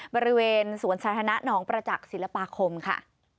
บริเวณสวนสาธารณะหนองประจักษ์ศิลปาคมค่ะ